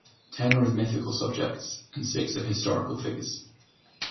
Ten are of mythical subjects, and six of historical figures.